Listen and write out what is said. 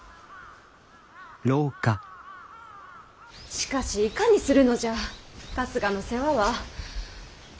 しかしいかにするのじゃ春日の世話は。